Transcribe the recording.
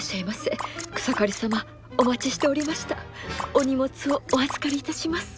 お荷物をお預かりいたします。